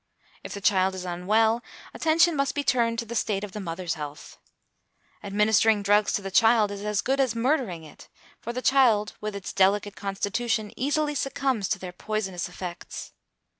If the child is unwell, attention must be turned to the state of the mother's health. Administering drugs to the child is as good as murdering it, for the child with its delicate constitution, easily succumbs to their poisonous effects.